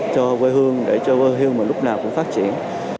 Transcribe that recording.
cho quê hương để cho quê hương mà lúc nào cũng phát triển